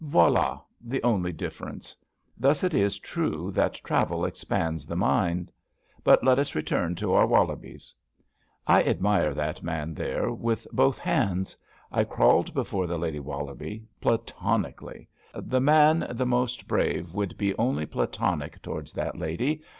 Voild the only difference. Thus it is true that travel expands the mind. But let us return to our Wollobies. I admired that man there with the both hands. I crawled before the Lady Wollobie — ^platonically. The man the most brave would be only platonic towards that lady.